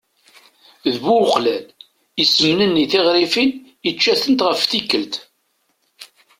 D bu uqlal. Isemnenni tiɣrifin, icca-tent ɣef tikkelt.